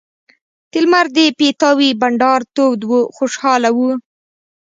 د لمر د پیتاوي بنډار تود و خوشاله وو.